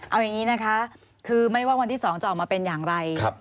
เอาอย่างนี้นะคะคือไม่ว่าวันที่๒จะออกมาเป็นอย่างไร